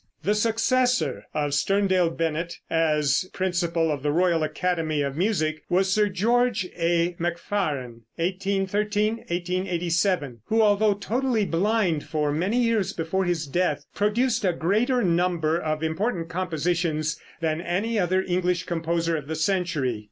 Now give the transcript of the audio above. The successor of Sterndale Bennett as principal of the Royal Academy of Music was Sir George A. Macfarren (1813 1887), who although totally blind for many years before his death, produced a greater number of important compositions than any other English composer of the century.